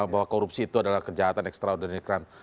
bahwa korupsi itu adalah kejahatan extraordinary crime